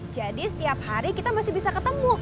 setiap hari kita masih bisa ketemu